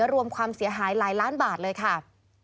รวมความเสียหายหลายล้านบาทเลยค่ะ